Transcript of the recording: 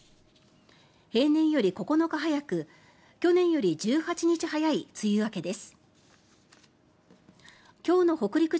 平年より９日早く去年より１８日早い梅雨明けです。